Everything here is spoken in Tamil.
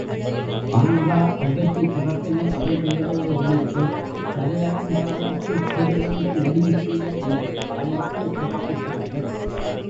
ஆனதால் அவ்வெற்றிச் சிறப்பினை, அவன் பெயரோடு இணைத்துத் தலையாலங்கானத்துச் செருவென்ற நெடுஞ்செழியன் என அழைத்துச் சிறப்பித்தார்கள்.